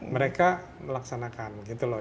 mereka melaksanakan gitu loh